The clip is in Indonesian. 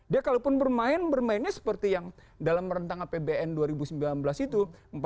dia kalaupun bermain bermainnya seperti yang dalam rentang apbn dua ribu sembilan belas itu empat belas empat belas lima ratus